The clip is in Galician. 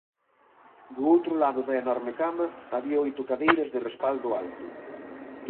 Do outro lado da enorme cama había oito cadeiras de respaldo alto